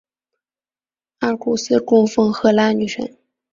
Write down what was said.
阿古斯供奉赫拉女神。